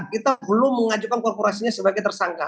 kita belum mengajukan korporasinya sebagai tersangka